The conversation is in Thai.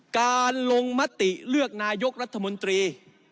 การลงมติเลือกนายกรัฐมนตรี